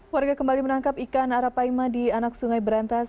warga kembali menangkap ikan arapaima di anak sungai berantas